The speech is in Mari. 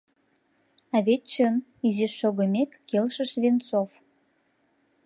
— А вет чын, — изиш шогымек, келшыш Венцов.